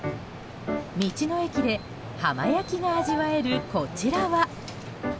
道の駅で浜焼きが味わえるこちらは。